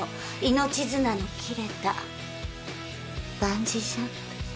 命綱の切れたバンジージャンプ。